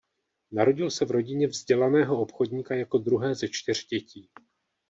Narodil se v rodině vzdělaného obchodníka jako druhé ze čtyř dětí.